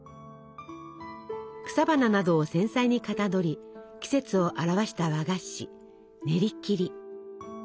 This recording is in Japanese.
草花などを繊細にかたどり季節を表した和菓子ねりきり。